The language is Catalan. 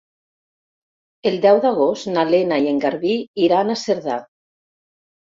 El deu d'agost na Lena i en Garbí iran a Cerdà.